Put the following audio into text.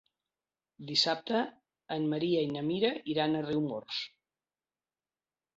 Dissabte en Maria i na Mira iran a Riumors.